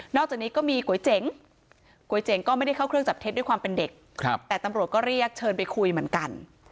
อกจากนี้ก็มีก๋วยเจ๋งก๋วยเจ๋งก็ไม่ได้เข้าเครื่องจับเท็จด้วยความเป็นเด็กแต่ตำรวจก็เรียกเชิญไปคุยเหมือนกัน